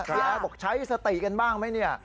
แอดบอกใช้สติกันบ้างไหมเนี่ย